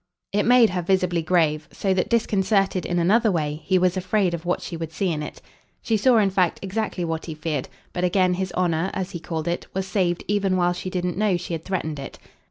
It made her visibly grave; so that, disconcerted in another way, he was afraid of what she would see in it. She saw in fact exactly what he feared, but again his honour, as he called it, was saved even while she didn't know she had threatened it.